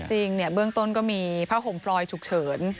จริงเนี่ยเบื้องต้นก็มีพระขมฟรอยฉุกเฉิน